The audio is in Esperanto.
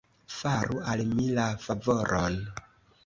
Faru al mi la favoron.